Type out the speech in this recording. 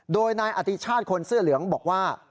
โดยนายอธิชาติคนเสื้อเหลืองบอกว่า